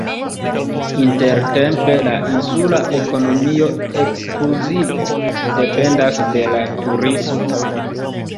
Intertempe la insula ekonomio ekskluzive dependas de la turismo.